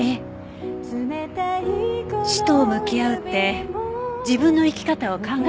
死と向き合うって自分の生き方を考える事なのね。